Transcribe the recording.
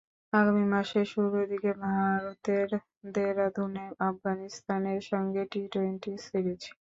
আগামী মাসের শুরুর দিকে ভারতের দেরাদুনে আফগানিস্তানের সঙ্গে টি টোয়েন্টি সিরিজ।